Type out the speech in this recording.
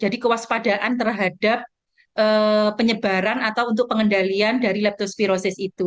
jadi kewaspadaan terhadap penyebaran atau untuk pengendalian dari leptospirosis itu